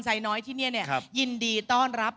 น้อยที่นี่เนี่ยยินดีต้อนรับ